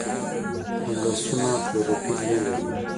فنګسونه کلوروفیل نه لري.